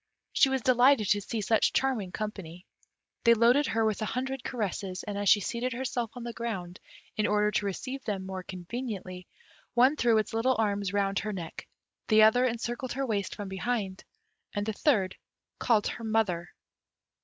She was delighted to see such charming company. They loaded her with a hundred caresses, and as she seated herself on the ground, in order to receive them more conveniently, one threw its little arms round her neck, the other encircled her waist from behind, and the third called her "mother."